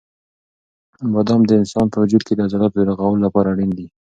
بادام د انسان په وجود کې د عضلاتو د رغولو لپاره اړین دي.